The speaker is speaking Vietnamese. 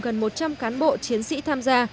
gần một trăm linh cán bộ chiến sĩ tham gia